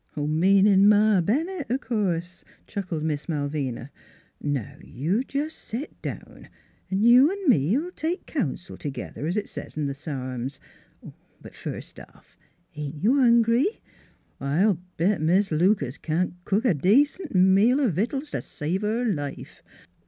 " Meanin' Ma Bennett, o' course," chuckled Miss Malvina. "Now you jes' set down; 'n' you 'n' me '11 take counsel t'gether, es it says in th' Psa'ms. But first off, ain't you hungry? I'll NEIGHBORS 323 bet Mis' Lucas can't cook a decent meal o' victuals t' save her life.